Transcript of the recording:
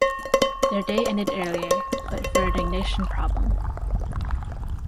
Their day ended earlier, but for an ignition problem.